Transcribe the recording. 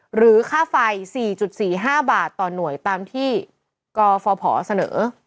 หรือค่าไฟ๔๔๕บาทต่อหน่วยตามที่กฟภเสนอ